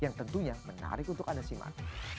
yang tentunya menarik untuk anda simak